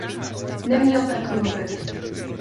Neměl tak mluvit!